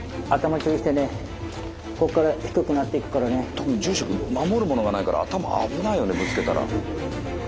特に住職守るものがないから頭危ないよねぶつけたら。